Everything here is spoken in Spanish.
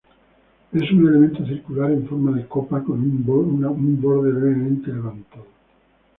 Es un elemento circular en forma de copa con un borde levemente levantado.